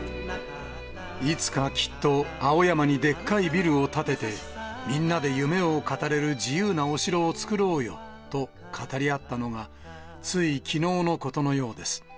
いつかきっと青山にでっかいビルを建てて、みんなで夢を語れる自由なお城を作ろうよと語り合ったのが、ついきのうのことのようです。